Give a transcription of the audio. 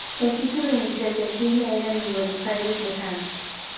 El título inicial del filme era "Mi Buenos Aires lejano!